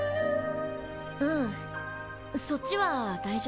うんそっちは大丈夫？